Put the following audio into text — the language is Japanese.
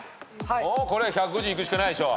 もうこれ１５０いくしかないでしょ。